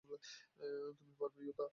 তুমি পারবে, ইউতা।